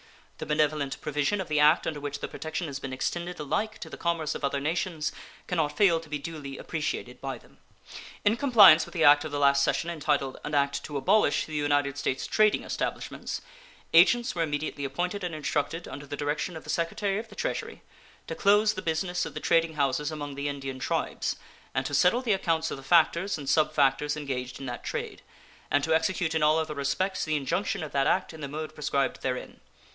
The benevolent provision of the act under which the protection has been extended alike to the commerce of other nations can not fail to be duly appreciated by them. In compliance with the act of the last session entitled "An act to abolish the United States trading establishments", agents were immediately appointed and instructed, under the direction of the Secretary of the Treasury, to close the business of the trading houses among the Indian tribes and to settle the accounts of the factors and sub factors engaged in that trade, and to execute in all other respects the injunction of that act in the mode prescribed therein.